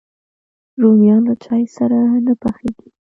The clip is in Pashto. رومیان له چای سره نه پخېږي